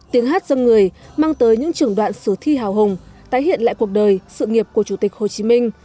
tiếng hát dân người mang tới những trường đoạn sử thi hào hùng tái hiện lại cuộc đời sự nghiệp của chủ tịch hồ chí minh